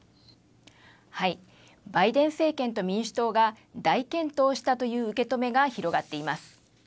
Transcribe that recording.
バイデン政権と民主党が大健闘したという受け止めが広がっています。